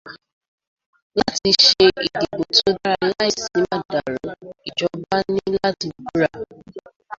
Láti ṣe ìdìbò tó dára láì sí màdàrú ìjọba ní láti búra.